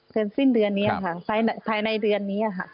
สิ้นเดือนนี้ค่ะภายในเดือนนี้ค่ะ